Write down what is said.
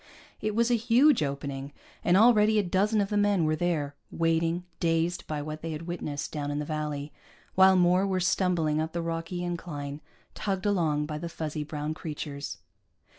It was a huge opening, and already a dozen of the men were there, waiting, dazed by what they had witnessed down in the valley, while more were stumbling up the rocky incline, tugged along by the fuzzy brown creatures.